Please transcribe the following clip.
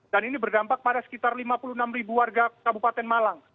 dan ini berdampak pada sekitar lima puluh enam ribu warga kabupaten malang